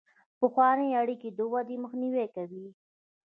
پخوانۍ اړیکې د ودې مخنیوی کوي.